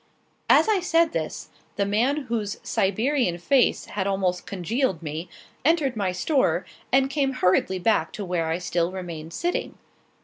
As I said this, the man whose Siberian face had almost congealed me entered my store, and came hurriedly back to where I still remained sitting.